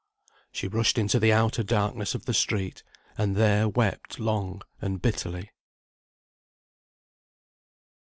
She rushed into the outer darkness of the street, and there wept long and bitterly.